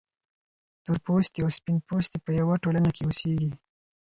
تورپوستي او سپین پوستي په یوه ټولنه کې اوسیږي.